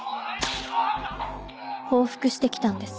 報復してきたんです。